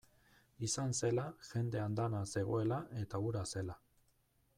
Izan zela, jende andana zegoela eta hura zela.